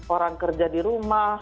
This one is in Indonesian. orang kerja di rumah